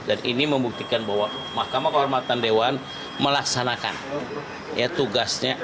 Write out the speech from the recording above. dan ini membuktikan bahwa mkd melaksanakan tugasnya